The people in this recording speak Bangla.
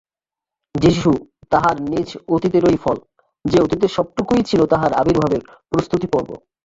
যীশু তাঁহার নিজ অতীতেরই ফল, যে অতীতের সবটুকুই ছিল তাঁহার আবির্ভাবের প্রস্তুতিপর্ব।